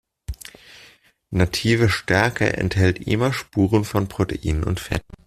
Native Stärke enthält immer Spuren von Proteinen und Fetten.